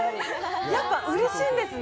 やっぱ、うれしいんですね。